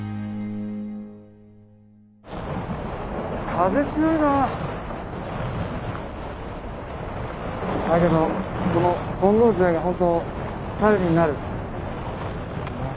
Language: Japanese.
風強いな。だけどこの金剛杖が本当頼りになる。